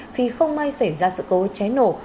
khi không may xảy ra sự cố cháy nổ